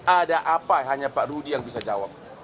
ada apa hanya pak rudi yang bisa jawab